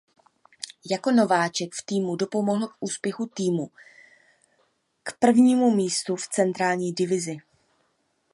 Jako nováček v týmu dopomohl k úspěchu týmu k prvnímu místu v centrální divizi.